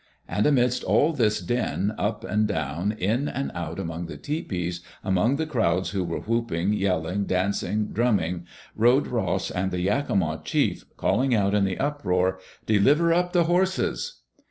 And amidst all this din, up and down, in and out among the tepees, among the crowds who were whooping, yelling, dancing, drumming, rode Ross and the Yakima chief, calling out in the uproar, Deliver up the horses."